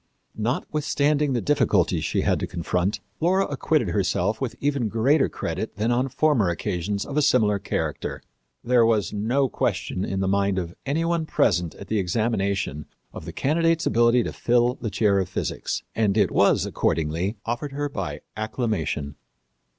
Notwithstanding the difficulties she had to confront, Laura acquitted herself with even greater credit than on former occasions of a similar character. There was no question in the mind of any one present at the examination of the candidate's ability to fill the chair of physics, and it was, accordingly, offered to her by acclamation.